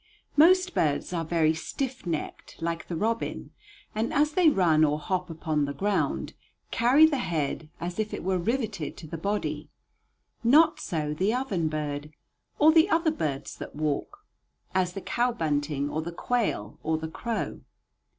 Most birds are very stiff necked, like the robin, and as they run or hop upon the ground, carry the head as if it were riveted to the body. Not so the oven bird, or the other birds that walk, as the cow bunting, or the quail, or the crow.